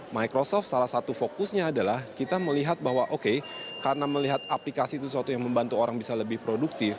microsoft salah satu fokusnya adalah kita melihat bahwa oke karena melihat aplikasi itu sesuatu yang membantu orang bisa lebih produktif